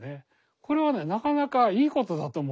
これはねなかなかいいことだと思う。